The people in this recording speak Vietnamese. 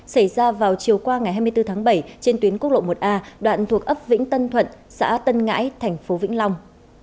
xảy ra vào chiều qua ngày hai mươi bốn tháng bảy trên tuyến quốc lộ một a đoạn thuộc ấp vĩnh tân thuận xã tân ngãi thành phố vĩnh long